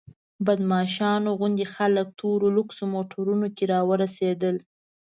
بدماشانو غوندې خلک تورو لوکسو موټرو کې راورسېدل.